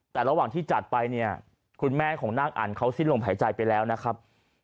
แต่ระหว่างที่จัดไปเนี่ยคุณแม่ของนางอันเขาสิ้นลมหายใจไปแล้วนะครับ